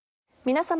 皆様。